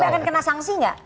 tapi akan kena sanksi nggak